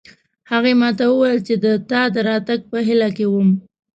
هغې ما ته وویل چې د تا د راتګ په هیله کې وم